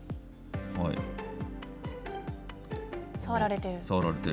触られている？